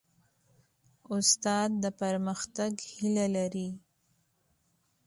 استاد د پرمختګ هیله لري.